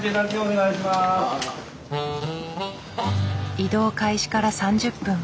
移動開始から３０分。